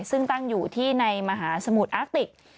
ซึ่งตั้งอยู่ที่ในมหาสมุทรอาคติก